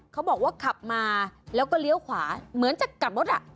เขาบอกว่าขับมาแล้วก็เลี้ยวขวาเหมือนจะกลับรถอ่ะ